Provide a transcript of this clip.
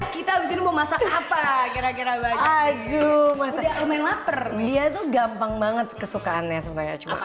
kita mau masak apa kira kira aja laper dia tuh gampang banget kesukaannya semuanya